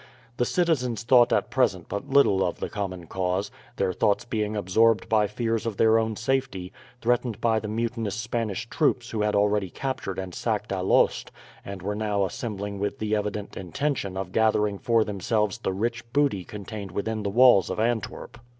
The citizens thought at present but little of the common cause, their thoughts being absorbed by fears of their own safety, threatened by the mutinous Spanish troops who had already captured and sacked Alost, and were now assembling with the evident intention of gathering for themselves the rich booty contained within the walls of Antwerp.